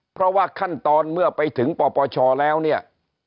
เพราะว่าขั้นตอนเมื่อไปถึงปปชแล้วเนี่ย